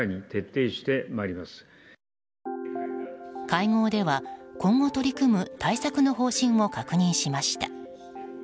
会合では、今後取り組む対策の方針を確認しました。